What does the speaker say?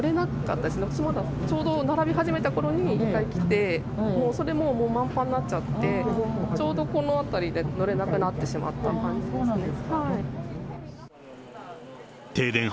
私まだ、ちょうど並び始めたころに一回来て、もうそれもうまんぱんになっちゃって、ちょうどこの辺りで乗れなくなってしまったという感じですね。